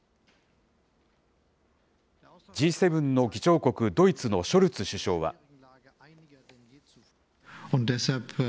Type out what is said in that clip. Ｇ７の議長国ドイツのショルツ首相は。